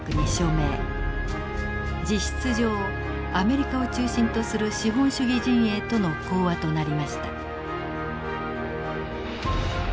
実質上アメリカを中心とする資本主義陣営との講和となりました。